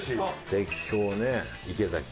絶叫ね池崎。